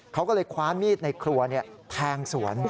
เขาก็เลยคว้ามีดในครัวแทงสวน